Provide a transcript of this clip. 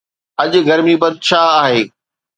اڄ گرمي پد ڇا آهي؟